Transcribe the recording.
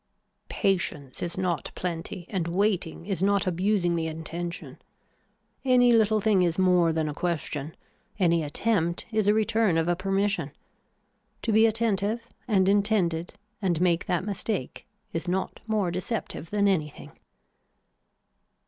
Patience is not plenty and waiting is not abusing the intention. Any little thing is more than a question. Any attempt is a return of a permission. To be attentive and intended and make that mistake is not more deceptive than anything.